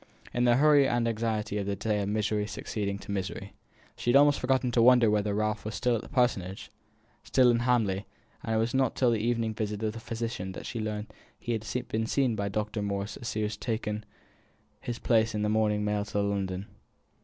In the hurry and anxiety of this day of misery succeeding to misery, she almost forgot to wonder whether Ralph were still at the Parsonage still in Hamley; it was not till the evening visit of the physician that she learnt that he had been seen by Dr. Moore as he was taking his place in the morning mail to London.